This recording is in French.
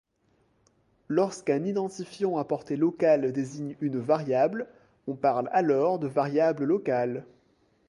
Lorsqu'un identifiant à portée locale désigne une variable, on parle alors de variable locale.